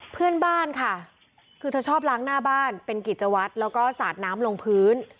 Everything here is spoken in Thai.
เพื่อนบ้านค่ะคือเธอชอบล้างหน้าบ้านเป็นกิจวัตรแล้วก็สาดน้ำลงพื้น